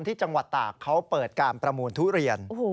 ที่จังหวัดตากเขาเปิดการประมูลทุเรียน